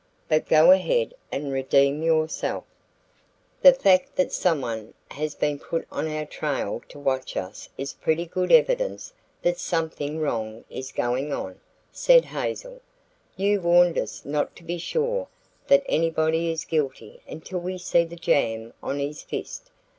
But go ahead and redeem yourself." "The fact that someone has been put on our trail to watch us is pretty good evidence that something wrong is going on," said Hazel. "You warned us not to be sure that anybody is guilty until we see the jam on his fist.